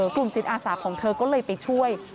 กลุ่มจิตอาสาของเธอก็เลยไปช่วย